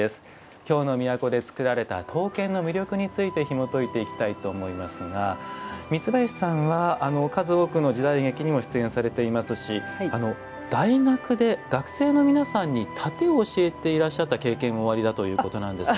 京の都で作られた刀剣の魅力についてひもといていきたいと思いますが三林さんは、数多くの時代劇にも出演されていますし大学で学生の皆さんに殺陣を教えていた経験もおありだということなんですが。